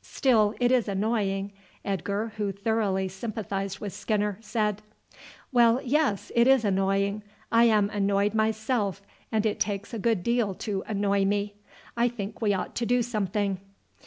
"Still it is annoying," Edgar, who thoroughly sympathized with Skinner, said. "Well, yes, it is annoying. I am annoyed myself, and it takes a good deal to annoy me. I think we ought to do some thing."